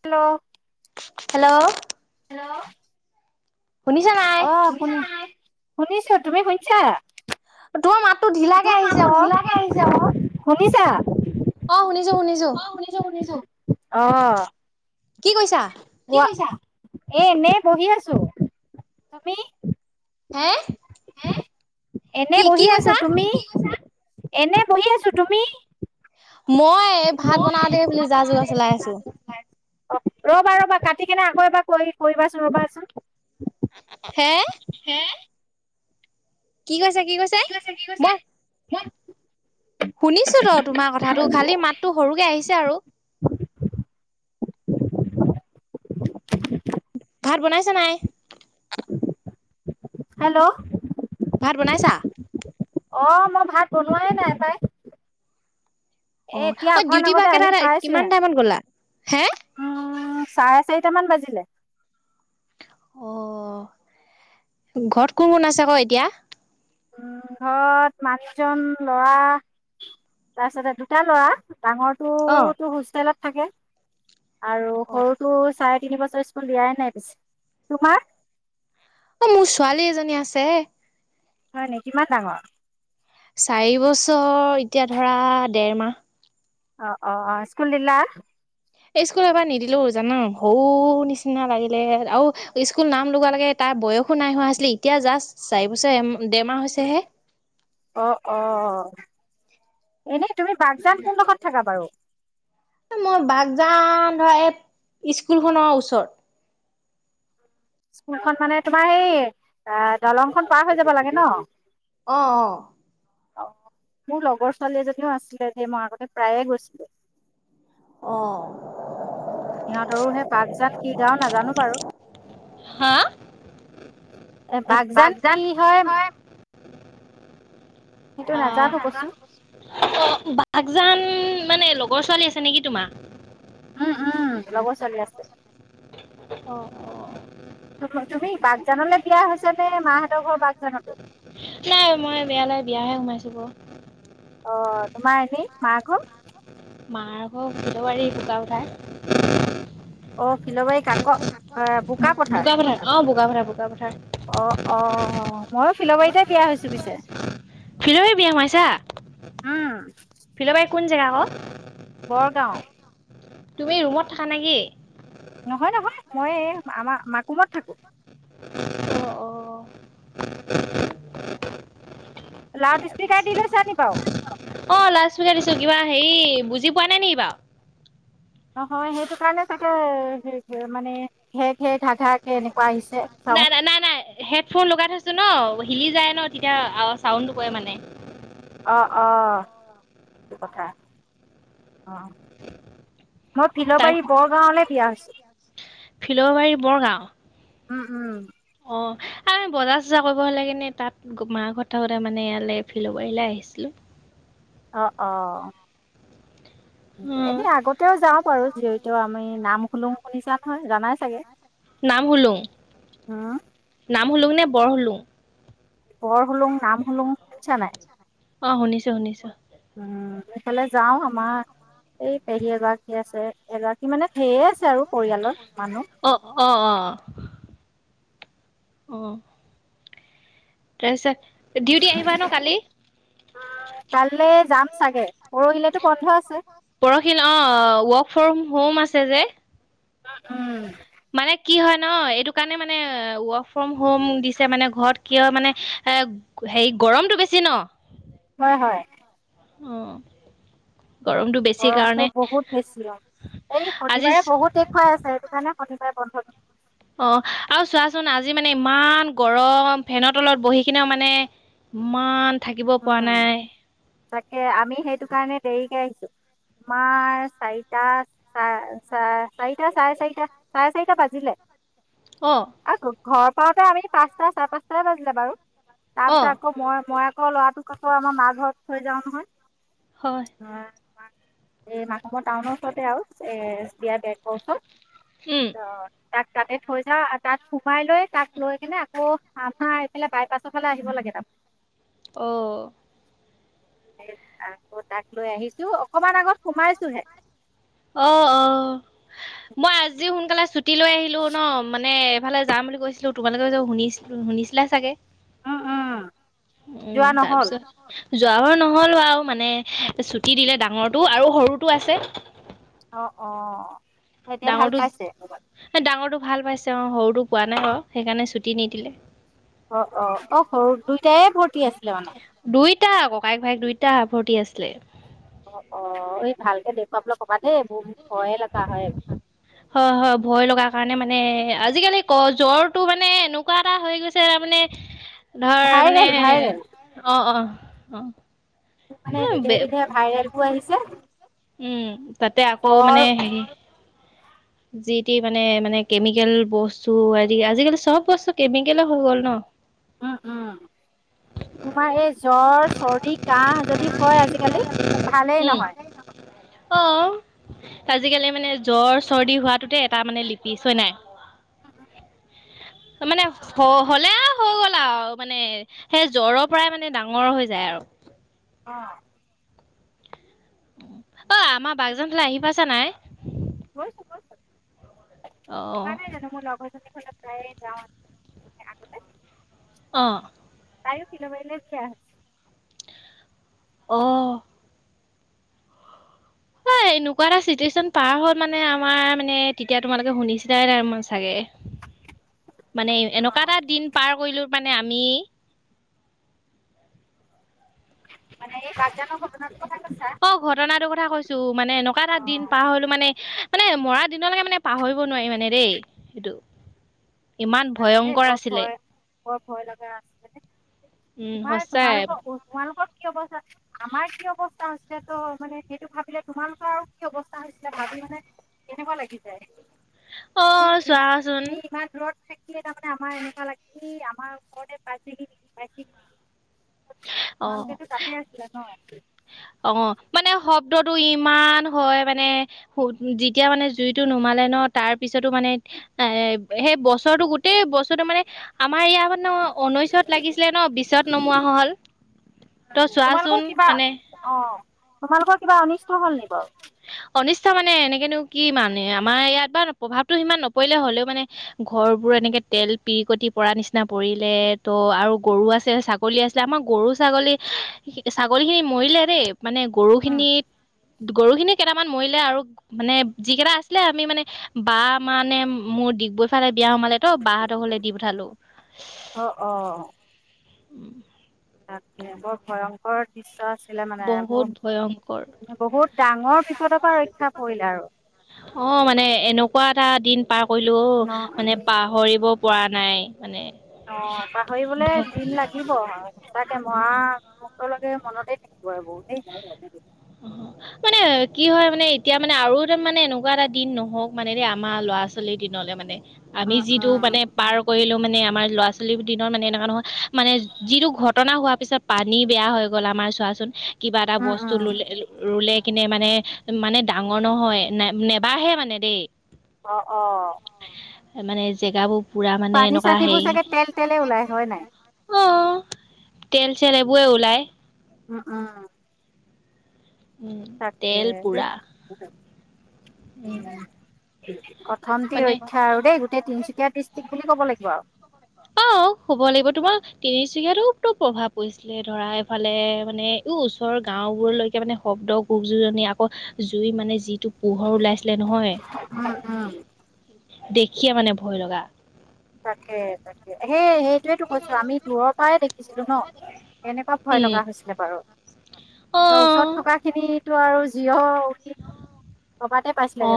Hello hello hello শুনিছা নাই অ শুনিছ শুনিছো তুমি শুনিছা নাই? তোমাৰ মাতটো ঢিলাকে তোৰ আহিছে মাতটো আকৌ। ঢিলাকে আহিছা আক শুনিছা অ শুনি অ শুনিছো শুনিছো অ কি কৈছা? শুনিছা এ এনে বহি আছো তুমি? হে এনে কি কি বহি আছো কৈছা? তুমি এনে বহি আছো তুমি? মই ভাত মই বনাওঁতে বুলি ভাত যা- বনাওতে যোগাৰ এইফালে চলাই আছো। যাইছিলো ওলাই। অ ৰবা ৰ'বা কাটি কেনে আকৌ এবাৰ কৰিবাচোন ৰ'বাচোন হে হে কি কৈছে কি কৈছে মই মই শুনিছো তো তোমাৰ কথাটো খালি মাততো সৰুকে আহিছে আৰু। [inaudible] ভাত বনাইছা নাই? হেল্ল'! ভাত বনাইছা? অ' মই ভাত বনোৱাই নাই পাই। অ এ' এতিয়া অ অকন ডিউটি বা আগতে কেইটা আহি কিমান পাইছোহে। টাইমত গ'লা? হে? চাৰে চাৰিটা মান বাজিলে। অ', ঘৰত কোন, কোন আছে আকৌ এতিয়া? উম, ঘৰত মানুহজন, ল'ৰা তাৰপিছতে দুটা ল'ৰা। অ। ডাঙৰটোতো হোষ্টেলত থাকে, আৰু অ সৰুটো চাই তিন বছৰ স্কুল দিয়াই নাই পিছে, তোমাৰ? অ', মোৰ ছোৱালী এজনী আছে। হয় নি কিমান ডাঙৰ? চাৰি বছৰ এতিয়া ধৰা ডেৰ মাহ। অ', অ', স্কুল দিলা? এই স্কুল এবাৰ নিদিলো জান শৰু নিচিনা লাগিলে আৰু স্কুল নাম লগোৱা লগে তাত তাৰ বয়সো নাই হোৱা আছিলে এতিয়া জাষ্ট চাৰি বছৰ এম অ', অ'। এনেই তুমি বাগজান কোন ডখৰত থাকা বাৰু? এ মই বাগজান ধৰা এই স্কুলখনৰ ওচৰত। স্কুলখন মানে, তোমাৰ সেই অ', দলংখন পাৰ হৈ যাব লাগে ন'? অ', অ'। অ', মোৰ লগৰ ছোৱালী এজনীও আছিলে দে মই আগতে প্ৰায়ে গৈছিলো। অ'। সিহঁতৰো সেই বাগজাত কি গাওঁ নাজানো বাৰু। অ এ' বাগজান কি হয় সেইটো নাজানো অ' কৈছো বাগদান মানে লগৰ ছোৱালী আছে নেকি তোমাৰ? উম, উম লগৰ ছোৱালী আছে। অ' অ'। তুমি বাগজানলৈ বিয়া হৈছে নে মাহঁতৰ ঘৰ বাগজানতে। নাই মই [unintelligible] সোমাইছো বাৰু। অ', তোমাৰ এনে মাৰ ঘৰ? মাৰ ঘৰ [unintelligible] অ', ফিল'বাৰী কাক, বোকপথাৰ। বোকাপথাৰ অ বোকাপথাৰ বোকাপথাৰ অ', অ', ময়ো ফিলাবাৰীতে বিয়া হৈছো পিছে। ফিলাবাৰী বিয়া সোমাইছা। উম। ফিলবাৰী কোন জেগা ক'? বৰগাঁও। তুমি ৰুমত থাকা নেকি? নহয়, নহয় মই এই আমাৰ মাকুমত থাকোঁ। অ', অ', [inaudible] লাউড [unintelligible] স্পীকাৰ দি লৈছা নি বাৰু অ', লাউড স্পীকাৰ দিছোঁ কিবা হেয়ি বুজি পোৱা নাই নি বাৰু? নহয় সেইটো কাৰণে চাগে, মানে ঘে, ঘে ঘা, ঘা কে এনেকুৱা আহিছ নাই, নাই, নাই, নাই হেডফোন লগাই থৈছোঁ ন'। হিলি যায় ন' তেতিয়া আ, চাউণ্ডটো কৰে মানে। অ', অ', টো কথা অ'। মই তাৰ ফিল'বাৰী বৰ গাঁৱলৈ বিয়া হৈছোঁ। ফিল'বাৰী বৰগাঁও। উম, উম। অ', আমি বজাৰ, চজাৰ কৰিব হ'লে কিনে তাত, মাঘৰত থাকোঁতে মানে ইয়ালে ফিল'বাৰীলৈ আহি চিলো। অ', অ'। অ', এনেই আগতেও যাওঁ বাৰু যিহেতু আমি নাম খুলোং শুনিছা নহয়, জানাই চাগে। নাম হোলোং, উম নাম হোলোং নে বৰ হোলোং? বৰ হোলোং, নাম হোলোং শুনিছা নাই? অ' শুনিছো-শুনিছো। উম, এইফালে যাও আমাৰ এই পেহী এগৰাকী আছে এগৰাকী মানে [unintelligible] আছে আৰু। পৰিয়ালত মানুহ। অ', অ', অ', অ'। তাৰপিছত ডিউটি আহিবা ন কালি? কাইলৈ যাম চাগে পৰহিলেতো বন্ধ আছে। পৰহি অ' ৱৰ্ক ফ্ৰম হোম আছে যে। উম, উম। মানে কি হয় ন এইটো কাৰণে মানে ৱৰ্ক ফ্ৰম হোম দিছে মানে ঘৰত কিয় মানে হেৰি গৰমটো বেছি ন। হয়, হয়। অ'। গৰমটো বেছি গৰম কাৰণে তো বহোত বেচি অ'। এই আজি শনিবাৰে বহুত দেখুৱাই আছে সেইটো কাৰণে শনিবাৰে বন্ধ। অ' আৰু চোৱাচোন আজি মানে ইমান গৰম ফেনৰ তলত বহি কিনেও মানে ইমান থাকিব পৰা উম নাই। তাকে আমি সেইটো কাৰণে দেৰিকে আহিছো। তোমাৰ চাৰিটা, চাৰিটা চাৰে চাৰিটা, চাৰে চাৰিটা বাজিলে। অ'। আৰু ঘৰ পাওঁতে আমি পাঁচটা চাৰে পাঁচটাই বাজিলে বাৰু তাৰ অ পিছত আকৌ মই মই আকৌ ল'ৰাটোক আকৌ আমাৰ মা ঘৰত থৈ যাওঁ নহয় হয় অ'। মাৰ এই মাকমৰ টাউনৰ ওচৰতে আৰু এ [unintelligible] উম ওচৰত। অ'। তাক তাতে থৈ যাওঁ আৰু তাত সোমাই লৈ তাক লৈ কিনে আকৌ আমাৰ এইফালে বাইপাছৰ ফালে আহিব লাগে। [inaudible] অ'। আকৌ তাক লৈ আহিছো অকমান আগত সোমাইছো হে। অ', অ' মই আজি সোনকালে ছুটি লৈ আহিলো ন মানে ইফালে যাম বুলি কৈছিলো তোমালোকে যে শুনিছিল শুনিছিলে চাগে। অ' অ। উম, তাৰপিছত যোৱাবাৰ নহলো আৰু মানে ছুটি দিলে ডাঙৰটো আৰু সৰুটো আছে। অ' অ। এতিয়া ভাল ডাঙৰটো, পাইছে ডাঙৰটো ভাল পাইছে অ', সৰুটো পোৱা নাই বাৰু সেইকাৰণে ছুটি নিদিলে। অ', - অ', - অ', সৰুটোই দুইটা ককাইক ভাইক দুইটা ভৰ্তি আছিলে। অ', - অ', এই ভালকে দেখুৱাবলৈ ক'বা দেই বহুত ভয়ে লগা হয়। হয়---হয় ভয় লগা কাৰণে মানে আজিকালি ক জ্বৰটো মানে এনেকুৱা এটা হৈ গৈছে তাৰমানে মানে ধৰ মানে ভাইৰেল ভাইৰেল অ', - অ', - অ', মানে হে বিধে- বিধে ভাইৰেলবোৰ আহিছে। উম তাতে আকৌ জ্বৰ মানে হেৰি যিটি মানে মানে কেমিকেল বস্তু আদি আজিকালি চব বস্তু কেমিকেল হৈ গ'ল ন উম-উম তোমাৰ এই জ্বৰ চৰ্দি কাহ যদি হয় আজিকালি ভালেই উম। নহয়। অ', আজিকালি মানে জ্বৰ চৰ্দি হোৱাটোতে এটা মানে লিপিচ হয় নাই। [unintelligible] মানে হলে হৈ গ'ল আৰু মানে সেই জ্বৰৰ পৰাই মানে ডাঙৰ হৈ যায় আৰু অ', অ', আমাৰ বাগজান ফালে আহি পাইছা নাই? গৈছোঁ-গৈছোঁ, কোৱা অ', নাই জানোঁ মোৰ লগৰজনী ঘৰলৈ প্ৰায়ে যাওঁ আগতে অ', তায়ো [unintelligible] বেয়া। অ', হয়। এনেকুৱা এটা চিটুৱেশচন পাৰ হ'ল মানে আমাৰ মানে তেতিয়া তোমালোকে শুনিছিলাই নাই মই চাগে মানে এনেকুৱা অ এটা দিন পাৰ কৰিলো মানে আমি মানে এই বাঘজানৰ ঘটনাটো অ', ঘটনাটোৰ কথা কৈছো মানে এনেকুৱা এটা অ দিন পাৰ হলো মানে মানে মৰা দিনলৈকে মানে পাহৰিব নোৱাৰি মানে দেই সেইটো সঁচাকে দেই বৰ ভয় বৰ ভয় লগা আছে মানে। উম তোমাই সঁচাই তোমালোকৰ-তোমালোকৰ কি অৱস্থা আমাৰ কি অৱস্থা হৈছিলে তো মানে সেইটো ভাবিলে তোমালোকৰ আৰু কি অৱস্থা হৈছিলে ভাবিব মানে কেনেকুৱা লাগি যায় আমি অ', ইমান চোৱাচোন আমি ইমান [unintelligible] তাৰমানে আমাৰ এনেকুৱা লাগে কি আমাৰ ঘৰতে পাইছেহি নেকি পাইছেহি নেকি অ তোমালোকেতো তাতে আছিলে ন অ', মানে শব্দটো ইমান হয় মানে যেতিয়া মানে জুইটো নোমা নোমালে ন তাৰপিছতো মানে সেই বছৰটো গোটেই বছৰটো মানে আমাৰ ইয়াত মানে ঊনৈশত লাগিছিলে ন বিশত নোমোৱা হ'ল। ত ন চোৱাচোন তোমালোকৰ কিবা মানে অ', তোমালোকৰ কিবা অনিষ্ট হ'ল নেকি বাৰু? [unintelligible] অনিষ্ট মানে এনেকেনো কি মানে আমাৰ ইয়াত বা প্ৰভাৱতটো সিমান নপৰিলে হ'লেও মানে ঘৰবোৰ এনেকে তেল পিৰিকটি পৰা নিচিনা পৰিলে ত' আৰু গৰু আছে ছাগলী আছিলে আমাৰ গৰু ছাগলী ছাগলী ছাগলী খিনি মৰিলে দেই মানে গৰু বাৰু খিনিক গৰু খিনিক কিছুমান মৰিলে আৰু মানে যি কেইটা আছিলে আমি মানে বা মানে মোৰ ডিগবৈ ফালে বিয়া সোমালে ত বাহতৰ ঘৰলে দি পঠালোঁ। অ অ তাকে বৰ ভয়ংকৰ দৃশ্য আছিল আছিলে মানে বহুত ভয়ংকৰ বহু বহুত ডাঙৰ বিপদৰ পৰা ৰক্ষা পৰিলে আৰু অ', মানে এনেকুৱা এটা দিন পাৰ কৰিলো অ', মানে ন পাহৰিব পৰা নাই। মানে অ', পাহৰিবলে দিন লাগিব আৰু সঁচাকে মৰা [unintelligible] লৈকে মনতেই থাকিব আৰু বহুতেই। অ, মানে কি হয় মানে এতিয়া মানে আৰু তাৰ মানে এনেকুৱা এটা দিন নহওক মানে দে আমাৰ লগ ল'ৰা- ছোৱালি দিনলে মানে আমি উম, যিটো উম, মানে পাৰ কৰিলো মানে আমাৰ ল'ৰা ছোৱালীৰ দিনৰ মানে এনেকুৱা নহয় মানে যিটো ঘটনা হোৱা পিছত পানী বেয়া হৈ গ'ল আম আমাৰ চোৱাচোন কিবা এটা উম, বস্তু উম। ল'লে ৰুলে কিনে মানে-মানে ডাঙৰ নহয় নে -নেবাঢ়ে মানে দেই। অ', অ', এ মানে জেগাবোৰ পুৰা মানে পানী এনেকুৱা চানীবোৰ চাগে তেল তেলে হেই ওলাই হয় নাই? অ, তেল চেলেবুৱে ওলায়। উম- উম উম তাকে তেল দে পুৰা [unintelligible] উম, প্ৰথমটি মানে ৰক্ষা আৰু দেই গোটেই তিনচুকীয়া ডিষ্ট্ৰিক বুলি ক'ব লাগিব আৰু। অ', অ, হ'ব লাগিব তোমাৰ তিনিচুকীয়াতো তো প্ৰভাৱ পৰিছিলে ধৰা এফালে মানে ও-ওচৰ গা গাওবোৰলৈকে মানে শব্দ গোপ যুজনি আকৌ জুই মানে যি তো পোহৰ ওলাইছিলে নহয় উম, উম। দেখিয়ে মানে ভয় লগা। তাকে- তাকে হে- হে সেটোৱে কৈছো আমি দূৰৰ পৰা দেখিছিলো ন' এনেকুৱা ভয় উম লগা হৈছিলে বাৰু ত' অঁ ওচৰত থকা খিনিতো আৰু জি হওঁ [unintelligible] অ',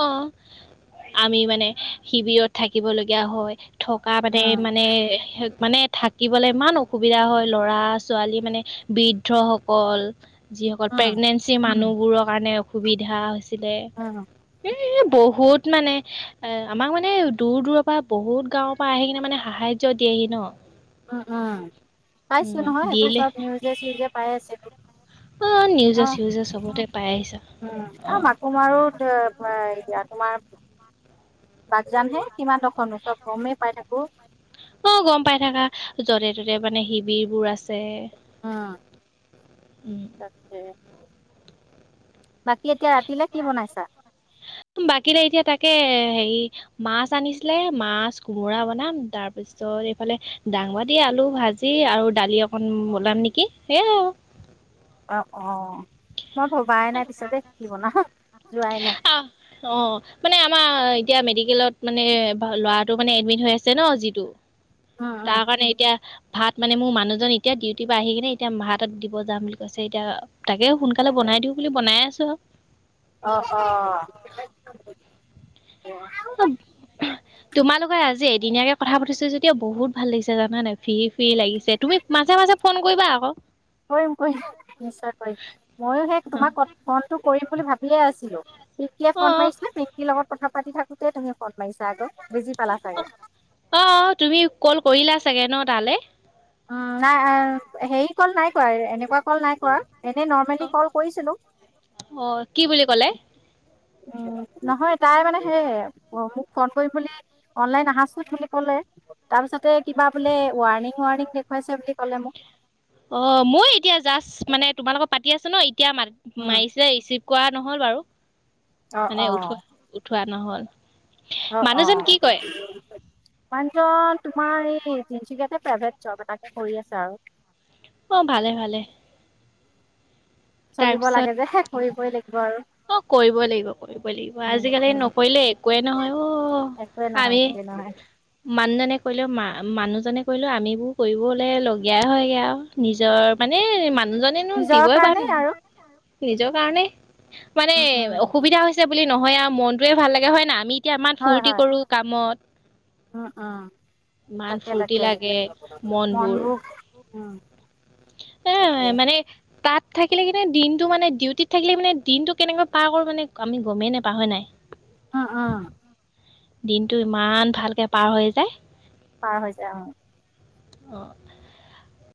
অ', আমি ই মানে শিবিৰত থাকিবলগীয়া হয় থকা উম, মানে- মানে মানে থাকিবলে ইমান অসুবিধা হয় ল'ৰা- ছোৱালী মানে বৃদ্ধ সকল যিসকল উম। প্ৰেগনেঞ্চি মানুহবোৰৰ কাৰণে অসুবিধা হৈছিলে। উম, এ বহুত মানে এ আমাক মানে দূৰ দূৰৰ পৰা বহুত গাঁৱৰ পৰা আহি কিনে মানে সাহা দিয়েহি ন। উম উম পাইছো উম নহয় এইবোৰ দিলে চব নিউজে চিউজে পাই আছে অ অ নিউজে চিউজে চবতে পাই আহিছা উম অ মাকোম আৰু। এতিয়া তোমাৰ বাগজান হে সিমান দখ চব গমেই পাই থাকো। অ গম পাই থাককা য'তে ততে মানে শিবিৰ বোৰ আছে। উম, উম তাকে। বাকী এতিয়া ৰাতিলে কি বনাইছা? বাকী এতিয়া তাকে হেৰি মাছ আনিছিলে মাছ কোমোৰা বনাম তাৰ পিছত। তাৰত এইফালে দাংবডি, আলু ভাজি আৰু দালি অকণ বনাম নেকি সেইয়াই আৰু। [unintelligible] অ অ মই ভবাই নাই পিছ দেই কি বনাম। আহ অ মানে আমাৰ। এতিয়া মেডিকেলত মানে ল'ৰাটো মানে এডমিট হৈ আছে ন যিটো। উম, উম। তাৰ কাৰণে এতিয়া। ভাত মানে মোৰ মানুহজন এতিয়া ডিউটিৰ পৰা আহি কিনে এতিয়া ভাতত দিব যাম বুলি কৈছে এতিয়া। তাকে সোনকালে বনাই দিওঁ বুলি বনাই আছো আৰু। অ অ। অ তোমালোকৰ আজি। ধিনীয়াকে কথা পাতিছো যদিও বহুত ভাল লাগিছে জান নাই ফি ফি লাগিছে তুমি মাজে মাজে ফোন কৰিবা আকৌ। কৰিম কৰিম নিশ্চয় কৰিম ময়ো সেই তোমাৰ ক ফনটো কৰিম বুলি ভাবিয়ে আছিলো পিকিয়ে অ ফোন মাৰিছিলে প্তিৰ লগত। কথা পাতি থাকোতেই তুমি ফোন মাৰিছা আক বিজি অ অ অ তুমি কল কৰিলা চাগে ন তালে উম নাই হেৰি কল নাই কৱা এনেকুৱা কল নাই কৰা এনেই নৰ্মেলি কল কৰিছিলো অ' অ কি বুলি ক'লে? উম নহয় তাই মানে সেয় মোক ফোন কৰিম বুলি অনলাইন আহাচোন বুলি কলে তাৰপিছতে কিবা বোলে ৱাৰ্ণিং ৱাৰণিং দেখুৱাইছে বুলি কলে মোক। অ মই এতিয়া জাষ্ট মানে তোমালোকৰ পাতি আছো ন এতিয়া মা উম, মাৰিছে ৰিছি ভ কৰা নহল বাৰু। অ অ। খোৱা নহ'ল। অ অ মানুহজন কি কয়? মানুহজন তোমাৰ এই তিনচুকীয়াতে প্ৰাইভেট জব এটাকে কৰি আছে আৰু। অ ভালে ভালে। চলিব তাৰপিছত লাগে যে শেষ কৰিবই লাগিব আৰু। অ কৰিব লাগিব কৰিব লাগিব উম, আজিকালি উম। নকৰিলে একোৱেই নহয় অ একোৱে নহয় আমি একোৱে নহয় মানুহজনে কৰিলেও মা মানুহজনে কৰিলোঁ আমিবোৰ কৰিব হ'লে লগীয়াই হয়গৈ আৰু নিজৰ মানে মান মানু জনে নো নিজৰ দিবই কাৰণেই বাৰু। আৰু নিজৰ কাৰণে মানে উম, উম, অসুবিধা হৈছে বুলি নহয় আৰু মনটোৱে ভাল লাগে হয় না আমি এতিয়া আমাৰ ফূৰ্তি কৰো কামত অ অ ইমান তাকে- ফূৰ্তি তাকে লাগে মনবোৰ অ। এ মানে তাত থাকিলে কিন্তু দিনটো মানে ডিউটিত থাকিলে মানে দিনটো কেনেকৈ পাৰ কৰো মানে আমি গমেই নাপাওঁ হয় নাই। অ অ। দিনটো ইমান ভালকে পাৰ হৈ যায়। পাৰ হৈ যায় অ। অ।